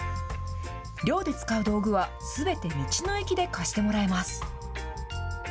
漁で使う道具は、すべて道の駅で貸してもらえます。